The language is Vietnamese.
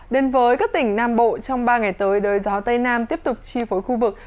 đến với các tỉnh nam bộ trong ba ngày tới đời gió tây nam tiếp tục chi phối khu vực